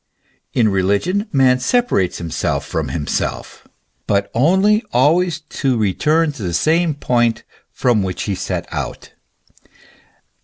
In religion man separates himself from himself, but only to return always to the same point from which he set out.